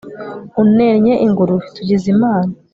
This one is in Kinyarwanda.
Unennye ingurube tugize imana